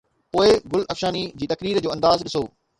پوءِ گل افشاني جي تقرير جو انداز ڏسو